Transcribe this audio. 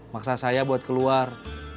maksa saya buat keluar